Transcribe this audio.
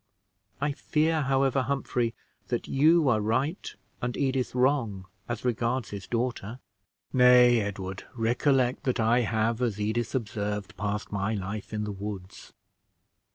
I fear, however, Humphrey, that you are right and Edith wrong as regards his daughter." "Nay, Edward, recollect that I have, as Edith observed, passed my life in the woods."